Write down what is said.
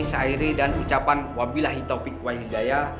seairi dan ucapan wabilahi taufiq wa hidayah